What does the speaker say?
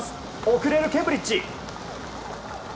遅れるケンブリッジ。